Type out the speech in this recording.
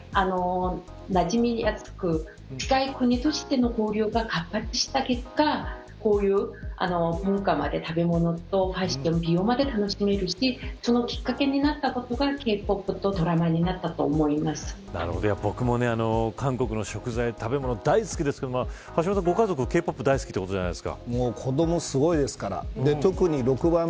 なじみやすく近い国としての交流が活発化した結果をこういう文化まで食べ物とかファッションや美容まで楽しめるしそのきっかけになったのがＫ‐ＰＯＰとドラマだった僕も韓国の食材食べ物が大好きですけど橋下さん、ご家族Ｋ‐ＰＯＰ大好きもう子どもすごいですから。